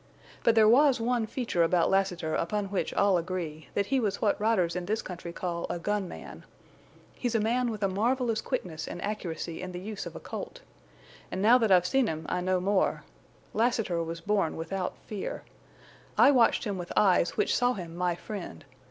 But there was one feature about Lassiter upon which all agree—that he was what riders in this country call a gun man. He's a man with a marvelous quickness and accuracy in the use of a Colt. And now that I've seen him I know more. Lassiter was born without fear. I watched him with eyes which saw him my friend.